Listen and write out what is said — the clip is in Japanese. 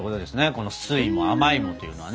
この「酸いも甘いも」っていうのはね。